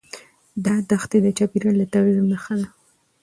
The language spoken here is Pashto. دا دښتې د چاپېریال د تغیر نښه ده.